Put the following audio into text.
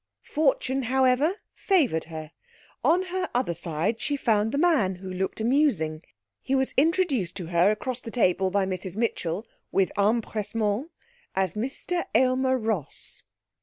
Fortune, however, favoured her. On her other side she found the man who looked amusing. He was introduced to her across the table by Mrs Mitchell, with empressement, as Mr Aylmer Ross.